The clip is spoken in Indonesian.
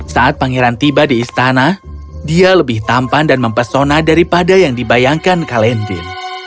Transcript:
saat pangeran tiba di istana dia lebih tampan dan mempesona daripada yang dibayangkan kalendin